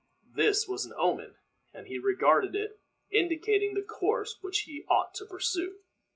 This was an omen, as he regarded it, indicating the course which he ought to pursue.